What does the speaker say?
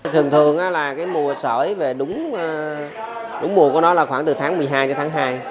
thường thường là cái mùa sởi về đúng mùa của nó là khoảng từ tháng một mươi hai đến tháng hai